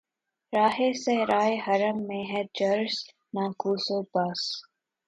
راہِ صحرائے حرم میں ہے جرس‘ ناقوس و بس